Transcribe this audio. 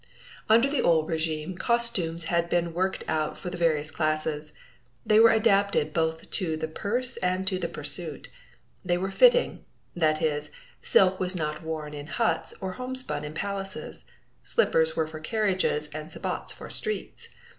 Under the old régime costumes had been worked out for the various classes. They were adapted both to the purse and to the pursuit. They were fitting that is, silk was not worn in huts or homespun in palaces; slippers were for carriages and sabots for streets.